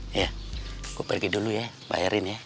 iya aku pergi dulu ya bayarin ya